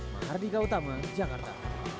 mahardika utama jakarta